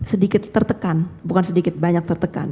sedikit tertekan bukan sedikit banyak tertekan